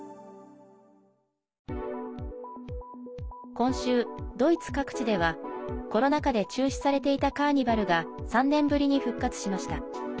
今週、ドイツ各地ではコロナ禍で中止されていたカーニバルが３年ぶりに復活しました。